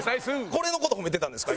これの事褒めてたんですか？